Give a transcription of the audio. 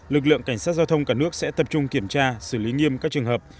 lực lượng cảnh sát giao thông cả nước sẽ tập trung kiểm tra xử lý nghiêm các trường hợp